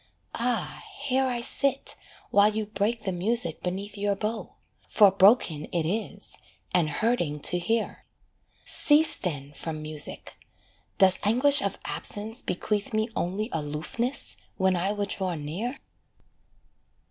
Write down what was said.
Ah, here I sit while you break the music beneath Your bow; for broken it is, and hurting to hear: Cease then from music does anguish of absence bequeath Me only aloofness when I would draw near?